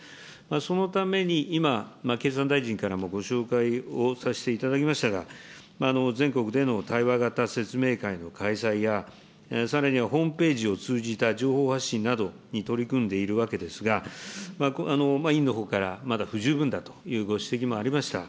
そのために今、経産大臣からもご紹介をさせていただきましたが、全国での対話型説明会の開催や、さらにはホームページを通じた情報発信などに取り組んでいるわけですが、委員のほうからまだ不十分だというご指摘もありました。